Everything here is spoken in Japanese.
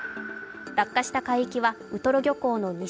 落下した海域はウトロ漁港の西